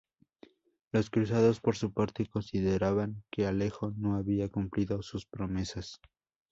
Los cruzados, por su parte, consideraban que Alejo no había cumplido sus promesas.